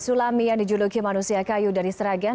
sulami yang dijuluki manusia kayu dari sragen